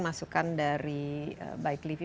masukan dari baik livi